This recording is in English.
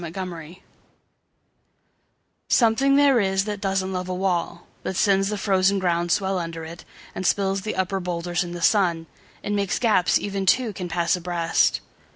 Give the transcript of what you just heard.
Mending Wall SOMETHING there is that doesn't love a wall, That sends the frozen ground swell under it, And spills the upper boulders in the sun; And makes gaps even two can pass abreast.